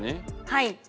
はい。